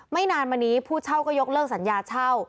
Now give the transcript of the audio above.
นานมานี้ผู้เช่าก็ยกเลิกสัญญาเช่า